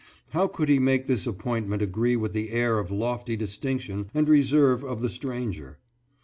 How could he make this appointment agree with the air of lofty distinction and reserve of the stranger?